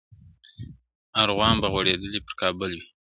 ارغوان به غوړېدلی پر کابل وي -